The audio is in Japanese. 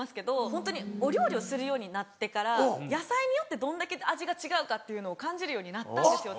ホントにお料理をするようになってから野菜によってどんだけ味が違うかっていうのを感じるようになったんですよ。